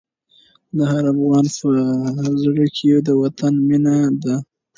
د هر افغان په زړه کې د وطن مینه ده.